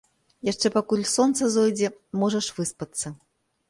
Яшчэ пакуль сонца зойдзе, можаш выспацца.